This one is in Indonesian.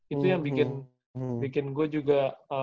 itu yang bikin gue juga